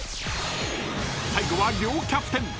［最後は両キャプテン］